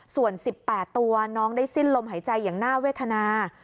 ส่วน๑๘ตัวน้องได้สิ้นลมหายใจอย่างน่าเวทนา